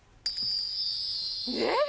えっ？